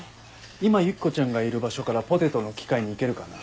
今ユキコちゃんがいる場所からポテトの機械に行けるかな？